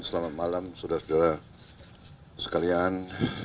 selamat malam saudara saudara sekalian